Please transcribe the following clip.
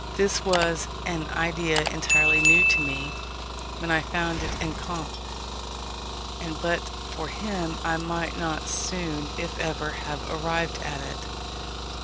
This was an idea entirely new to me when I found it in Comte: and but for him I might not soon (if ever) have arrived at it.